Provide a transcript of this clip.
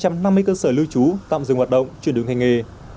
một trăm năm mươi cơ sở lưu trú tạm dừng hoạt động chuyển đường hành nghề